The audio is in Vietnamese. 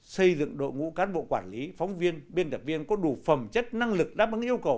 xây dựng đội ngũ cán bộ quản lý phóng viên biên tập viên có đủ phẩm chất năng lực đáp ứng yêu cầu